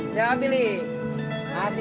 saya beli dulu teh